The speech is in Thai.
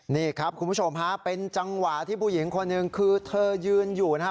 นี่ครับคุณผู้ชมฮะเป็นจังหวะที่ผู้หญิงคนหนึ่งคือเธอยืนอยู่นะฮะ